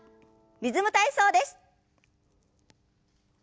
「リズム体操」です。